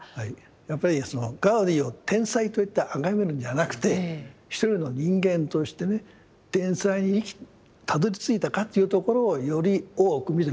やっぱりそのガウディを天才といってあがめるんじゃなくて一人の人間としてね天才にたどりついたかというところをより多く見てもらいたい。